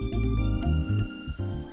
seperti pada agenda pelestari penyu alun utara